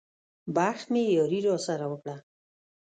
بخت مې ياري راسره وکړه.